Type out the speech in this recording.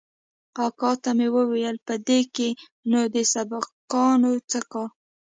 اکا ته مې وويل په دې کښې نو د سبقانو څه کار.